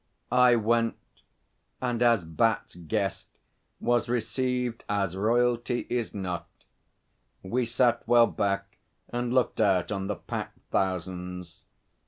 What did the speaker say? I went, and, as Bat's guest, was received as Royalty is not. We sat well back and looked out on the packed thousands.